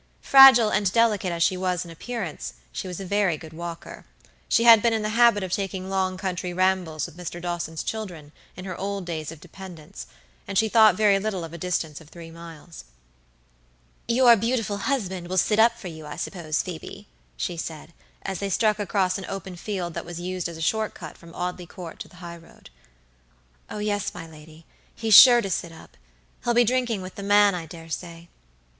Fragile and delicate as she was in appearance, she was a very good walker. She had been in the habit of taking long country rambles with Mr. Dawson's children in her old days of dependence, and she thought very little of a distance of three miles. "Your beautiful husband will sit up for you, I suppose, Phoebe?" she said, as they struck across an open field that was used as a short cut from Audley Court to the high road. "Oh, yes, my lady; he's sure to sit up. He'll be drinking with the man, I dare say."